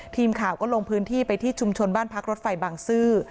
ทีมข่าวก็ลงพื้นที่ไปที่ชุมชนบ้านพักรถไฟบางซื่อ